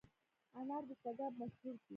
انار د تګاب مشهور دي